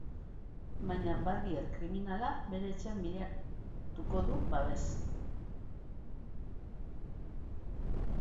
Baina Barbier kriminala bere etxean bilatuko du babes.